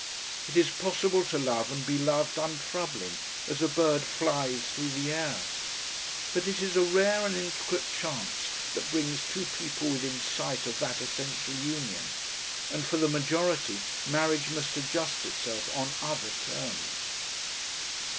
It is possible to love and be loved untroubling, as a bird flies through the air. But it is a rare and intricate chance that brings two people within sight of that essential union, and for the majority marriage must adjust itself on other terms.